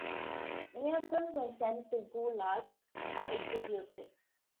Many of them were sent to Gulags or executed.